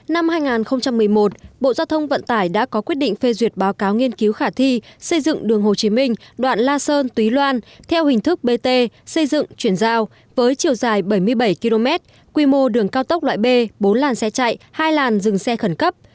năm hai nghìn một mươi một bộ giao thông vận tải đã có quyết định phê duyệt báo cáo nghiên cứu khả thi xây dựng đường hồ chí minh đoạn la sơn túy loan theo hình thức bt xây dựng chuyển giao với chiều dài bảy mươi bảy km quy mô đường cao tốc loại b bốn làn xe chạy hai làn dừng xe khẩn cấp